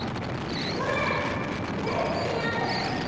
これレンズになる！